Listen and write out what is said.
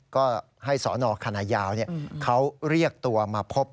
ก็ให้สนคณะยาวเขาเรียกตัวมาพบ